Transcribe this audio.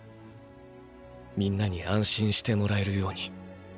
皆に安心してもらえるように。